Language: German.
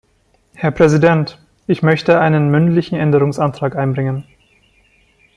Herr Präsident! Ich möchte einen mündlichen Änderungsantrag einbringen.